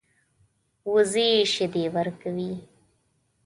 وزې شیدې ورکوي